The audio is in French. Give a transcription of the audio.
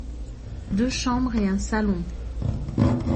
Deux chambres et un salon.